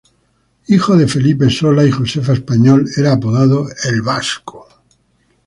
Hijo de Felipe Sola y Josefa Español, era apodado "El Vasco".